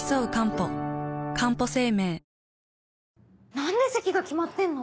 ・何で席が決まってんの？